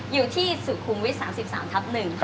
อยู่ที่สุขุมวิท๓๓ทับ๑ค่ะ